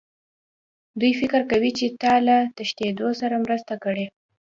دوی فکر کوي چې تا له تښتېدلو سره مرسته کړې